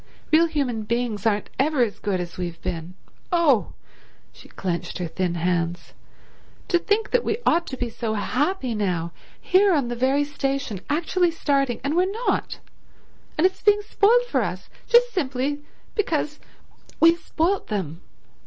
Real human beings aren't ever as good as we've been. Oh"—she clenched her thin hands—"to think that we ought to be so happy now, here on the very station, actually starting, and we're not, and it's being spoilt for us just simply because we've spoilt _them!